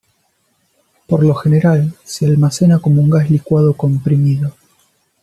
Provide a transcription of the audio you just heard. Por lo general se almacena como un gas licuado comprimido.